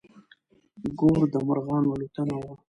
ګور د مرغانو الوتنه وه.